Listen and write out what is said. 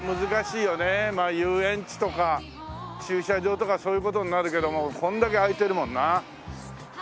遊園地とか駐車場とかそういう事になるけどもうこれだけ空いてるもんな。